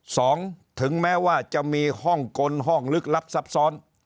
ถึงแม้ว่าจะมีห้องกลห้องลึกลับซับซ้อน